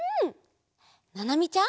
ななみちゃん。